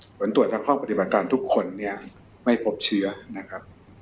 ผลตรวจทางห้องปฏิบัติการทุกคนเนี่ยไม่พบเชื้อนะครับ